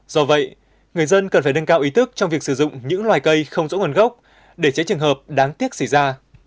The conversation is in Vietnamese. do vậy người dân cần phải nâng cao ý thức trong việc sử dụng những loài cây không rõ nguồn gốc để tránh trường hợp đáng tiếc xảy ra